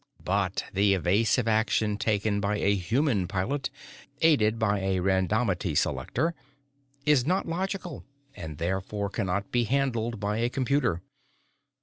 But the evasive action taken by a human pilot, aided by a randomity selector, is not logical and therefore cannot be handled by a computer.